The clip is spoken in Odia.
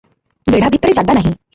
ବେଢ଼ା ଭିତରେ ଜାଗା ନାହିଁ ।